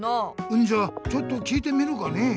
んじゃちょっと聞いてみるかね。